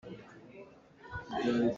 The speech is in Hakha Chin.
A lu a kawng.